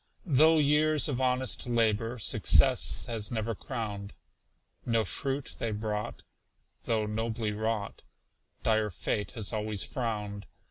Though years of honest labor Success has never crowned, No fruit they brought, though nobly wrought, Dire Fate has always frowned.